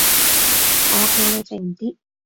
我叫你靜啲